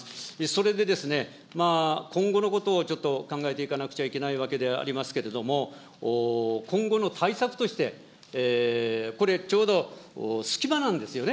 それでですね、まあ、今後のことを考えていかなくちゃいけないわけでありますけれども、今後の対策として、これちょうど、隙間なんですよね。